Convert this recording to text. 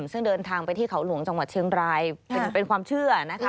ซึ่งเดินทางไปที่เขาหลวงจังหวัดเชียงรายเป็นความเชื่อนะคะ